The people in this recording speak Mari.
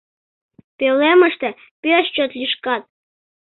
Пӧлемыште пеш чот лӱшкат.